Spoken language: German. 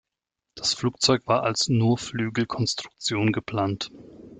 Das Flugzeug war als Nurflügel-Konstruktion geplant.